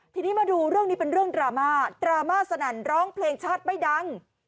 ทีนี้มาดูเรื่องนี้เป็นเรื่องดราม่าดราม่าสนั่นร้องเพลงชาติไม่ดัง